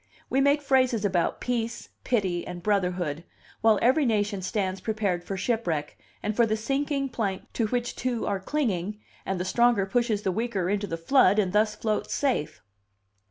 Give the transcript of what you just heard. We make phrases about peace, pity, and brotherhood, while every nation stands prepared for shipwreck and for the sinking plank to which two are clinging and the stronger pushes the weaker into the flood and thus floats safe.